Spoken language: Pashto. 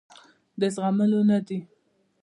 د زغملو نه دي.